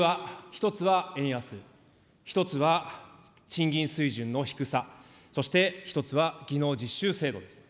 理由は一つは円安、一つは賃金水準の低さ、そして一つは技能実習制度です。